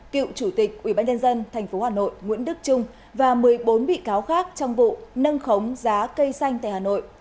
cựu chủ tịch ubnd tp hà nội nguyễn đức trung và một mươi bốn bị cáo khác trong vụ nâng khống giá cây xanh tại hà nội